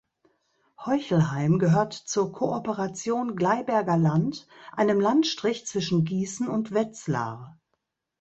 Heuchelheim gehört zur Kooperation Gleiberger Land, einem Landstrich zwischen Gießen und Wetzlar.